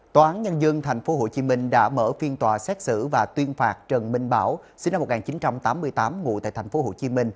tòa án nhân dân tp hcm đã mở phiên tòa xét xử và tuyên phạt trần minh bảo sinh năm một nghìn chín trăm tám mươi tám ngụ tại tp hcm